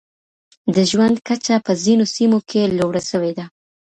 د ژوند کچه په ځینو سیمو کي لوړه سوې ده.